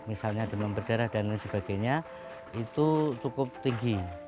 misalnya demam berdarah dan lain sebagainya itu cukup tinggi